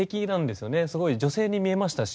すごい女性に見えましたし。